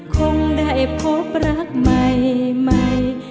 คงได้พบรักใหม่